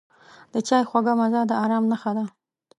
د چای خوږه مزه د آرام نښه ده.